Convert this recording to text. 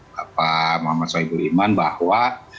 bapak soebu iman bahwa